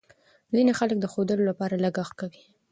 ځینې خلک د ښودلو لپاره لګښت کوي.